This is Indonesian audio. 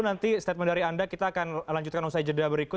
nanti statement dari anda kita akan lanjutkan usai jeda berikut